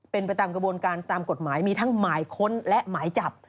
เป็นไปตามกระบวนการตามกฎหมายมีทั้งหมายค้นและหมายจับ